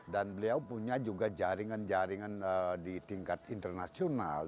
dan beliau punya juga jaringan jaringan di tingkat internasional